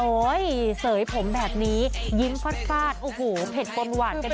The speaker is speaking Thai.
โอ้ยเสยผมแบบนี้ยิ้มพอดฟาดโอ้โหเผ็ดปนหวานกันไปเลยค่ะ